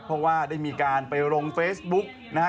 เพราะว่าได้มีการไปลงเฟซบุ๊กนะฮะ